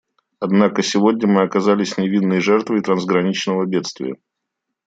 Однако сегодня мы оказались невинной жертвой трансграничного бедствия.